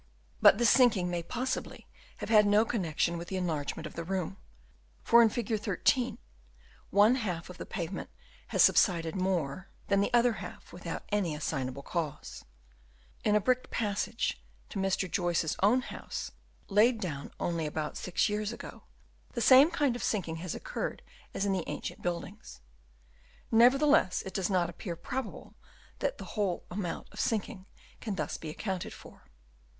But this sinking may possibly have had no connection with the enlargement of the room; for in Fig. 13 one half of the pavement has subsided more 218 BUKIAL OF THE EEMAINS Chap. IV. o a Chap. IV. OF ANCIENT BUILDINGS. 219 than the other half without any assignable cause. In a bricked passage to Mr. Joyce's own house, laid down only about six years ago, the same kind of sinking has occurred as in the ancient buildings. Nevertheless it does not appear probable that the whole amount of sinking can be thus accounted for.